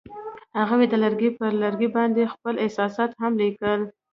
هغوی د لرګی پر لرګي باندې خپل احساسات هم لیکل.